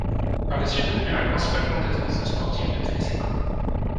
Par la suite, elle devient la principale présentatrice sportive de Telecinco.